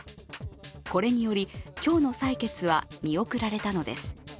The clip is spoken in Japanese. これにより今日の採決は見送られたのです。